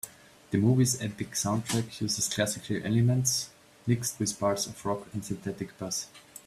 The movie's epic soundtrack uses classical elements mixed with parts of rock and synthetic bass.